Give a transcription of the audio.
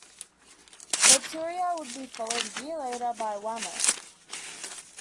"Vortura" would be followed a year later by "Wammo".